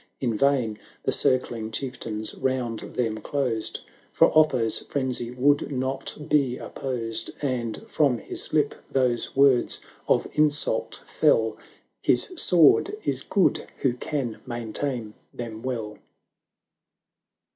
In vain the circling Chieftains round them closed, For Otho's frenzy would not be op posed ; And from his lip those words of insult fell — 710 His sword is good who can maintain them well.